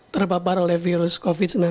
terpapar oleh virus covid sembilan belas